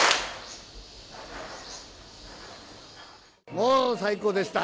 もう最高でした。